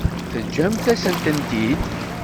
Teǧǧamt-asent-tent-id.